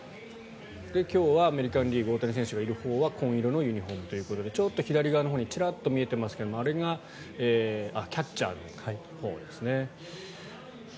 今日はアメリカン・リーグ大谷選手がいるほうは紺色のユニホームということで左側のほうにちらっと見えていますがあれがキャッチャーのほうです。